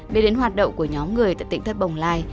về đến hoạt động của nhóm người tại tỉnh thất bồng lai